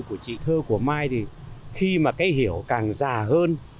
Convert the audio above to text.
của chị thơ của mai thì khi mà cái hiểu càng già hơn